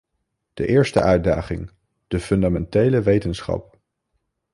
De eerste uitdaging: de fundamentele wetenschap.